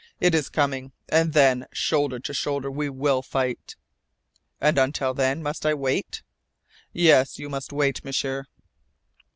It is coming. And then, shoulder to shoulder, we will fight!" "And until then, I must wait?" "Yes, you must wait, M'sieur."